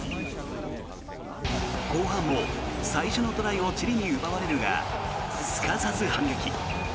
後半も最初のトライをチリに奪われるがすかさず反撃。